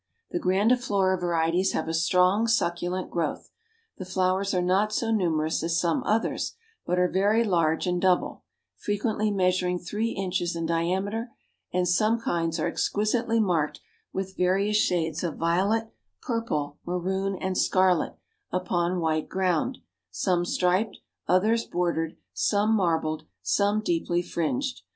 The Grandiflora varieties have a strong succulent growth, the flowers are not so numerous as some others, but are very large and double, frequently measuring three inches in diameter, and some kinds are exquisitely marked with various shades of violet, purple, maroon and scarlet upon white ground; some striped, others bordered, some marbled, some deeply fringed.